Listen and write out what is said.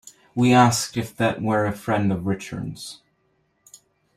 We asked if that were a friend of Richard's.